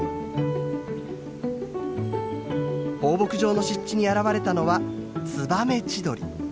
放牧場の湿地に現れたのはツバメチドリ。